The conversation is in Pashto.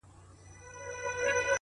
ګوره بې دمه یمه راشه که نه